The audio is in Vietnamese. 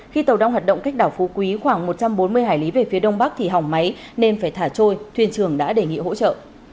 khi tàu đang hoạt động cách đảo phú quý khoảng một trăm bốn mươi hải lý về phía đông bắc thì hỏng máy nên phải thả trôi thuyền trưởng đã đề nghị hỗ trợ